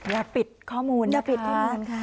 อย่าปิดข้อมูลนะคะ